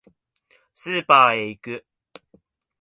スーパーへ行く